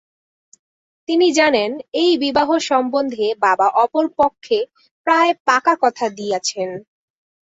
তিনি জানেন, এই বিবাহ সম্বন্ধে বাবা অপর পক্ষে প্রায় পাকা কথা দিয়েছেন।